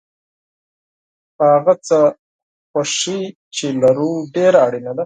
په هغه څه خوښي چې لرو ډېره اړینه ده.